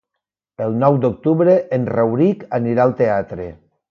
El nou d'octubre en Rauric anirà al teatre.